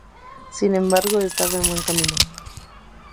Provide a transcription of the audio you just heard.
Sin embargo, estaba en el buen camino.